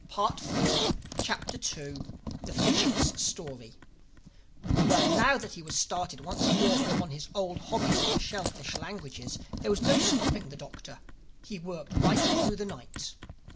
THE SECOND CHAPTER THE FIDGIT'S STORY WELL, now that he was started once more upon his old hobby of the shellfish languages, there was no stopping the Doctor. He worked right through the night.